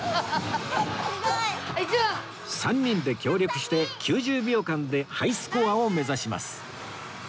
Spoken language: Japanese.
３人で協力して９０秒間でハイスコアを目指します